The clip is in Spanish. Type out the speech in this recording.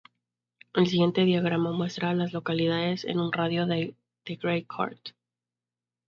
El siguiente diagrama muestra a las localidades en un radio de de Gray Court.